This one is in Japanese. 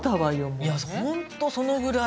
いやホントそのぐらい。